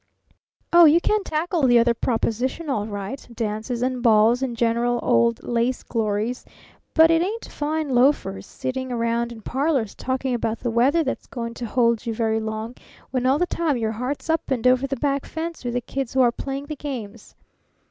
Oh, you can tackle the other proposition all right dances and balls and general gold lace glories; but it ain't fine loafers sitting round in parlors talking about the weather that's going to hold you very long, when all the time your heart's up and over the back fence with the kids who are playing the games.